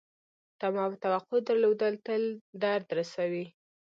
تمه او توقع درلودل تل درد رسوي .